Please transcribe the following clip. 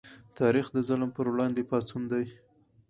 تاریخ د ظلم پر وړاندې پاڅون دی.